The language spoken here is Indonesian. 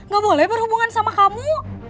gak boleh berhubungan sama kamu